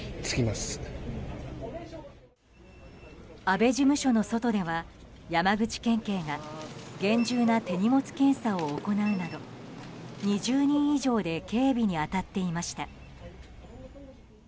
安倍事務所の外では山口県警が厳重な手荷物検査を行うなど２０人以上で警備に当たっていました。